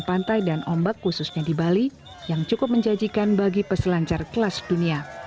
pantai dan ombak khususnya di bali yang cukup menjanjikan bagi peselancar kelas dunia